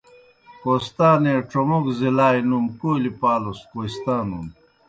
کوہستانے ڇوموگوْ ضلعلائے نُوم کولئی پالس کوہستانُن۔